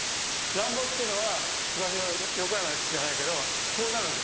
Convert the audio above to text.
乱暴っていうのは昔の横山やすしじゃないけどこうなるわけ。